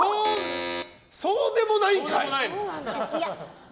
そうでもないかい！